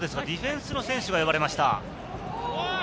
ディフェンスの選手が呼ばれました。